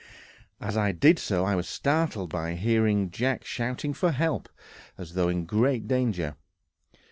As I did so, I was startled by hearing Jack shouting for help, as though in great danger.